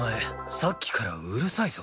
さっきからうるさいぞ。